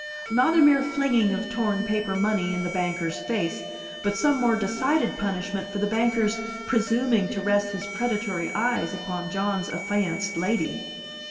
not a mere flinging of torn paper money in the banker's face, but some more decided punishment for the banker's presuming to rest his predatory eyes upon John's affianced lady.